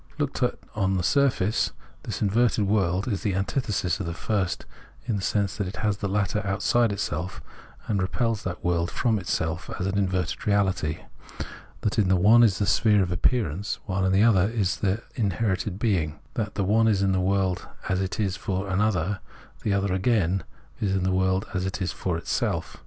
Looked at on the surface, this inverted world is the antithesis of the first in the sense that it has the latter outside itself, and repels that world from itself as an inverted reahty ; that the one is the sphere of ap pearance, while the other is the inherent being ; that the one is the world as it is for an other, the other again the world as it is for itself.